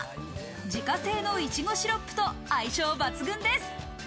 自家製のイチゴシロップと相性抜群です。